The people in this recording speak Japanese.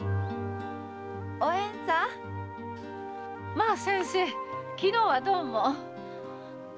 まあ先生昨日はどうも。